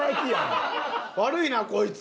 悪いなこいつ。